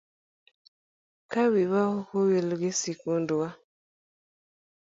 Ka wiwa ok owil gi skundwa.